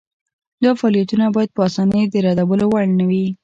دا فعالیتونه باید په اسانۍ د ردولو وړ نه وي.